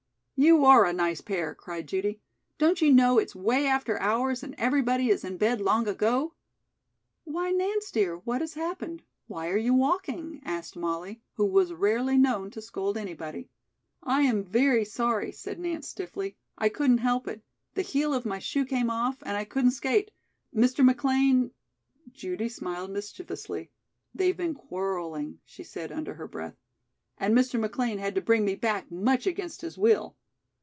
"You are a nice pair," cried Judy. "Don't you know it's way after hours and everybody is in bed long ago?" "Why, Nance, dear, what has happened? Why are you walking?" asked Molly, who was rarely known to scold anybody. "I am very sorry," said Nance stiffly. "I couldn't help it. The heel of my shoe came off and I couldn't skate. Mr. McLean " Judy smiled mischievously. "They've been quarreling," she said under her breath. "And Mr. McLean had to bring me back much against his will."